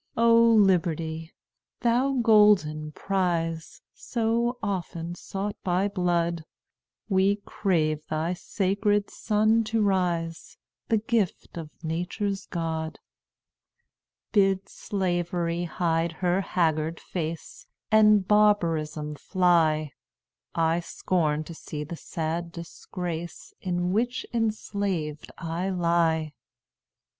"O Liberty! thou golden prize, So often sought by blood, We crave thy sacred sun to rise, The gift of Nature's God. "Bid Slavery hide her haggard face, And barbarism fly; I scorn to see the sad disgrace, In which enslaved I lie.